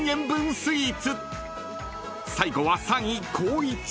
［最後は３位光一］